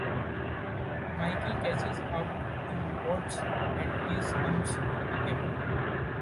Michael catches up to Watts and disarms him.